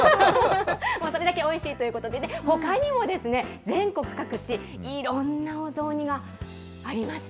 もうそれだけおいしいということでね、ほかにも全国各地、いろんなお雑煮がありました。